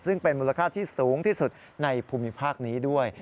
ซึ่งเป็นมูลค่าที่สูงที่สุดในภูมิภาคนี้ด้วย